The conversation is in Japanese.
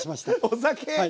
お酒。